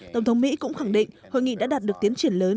tổng thống mỹ cũng khẳng định hội nghị đã đạt được tiến triển lớn